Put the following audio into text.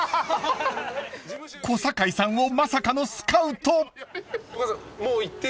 ［小堺さんをまさかのスカウト！］